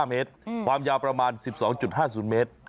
๕เมตรความยาวประมาณ๑๒๕๐เมตร